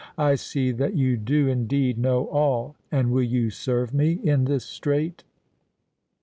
"I see that you do indeed know all. And will you serve me in this strait?"